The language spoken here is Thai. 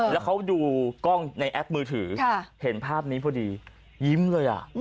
แล้วเขาดูกล้องในแอปมือถือเห็นภาพนี้พอดียิ้มเลยอ่ะ